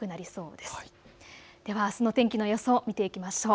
ではあすの天気の予想を見ていきましょう。